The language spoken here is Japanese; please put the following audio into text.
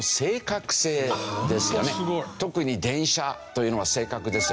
特に電車というのは正確ですよね。